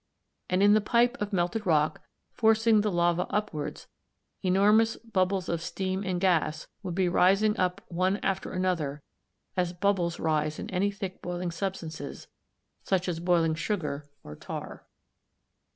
And in the pipe of melted rock, forcing the lava upwards, enormous bubbles of steam and gas d, d would be rising up one after another as bubbles rise in any thick boiling substances, such as boiling sugar or tar.